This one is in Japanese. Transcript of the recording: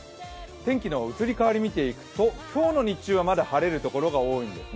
天気の移り変わりを見ていくと、今日の日中はまだ晴れるところが多いんですね。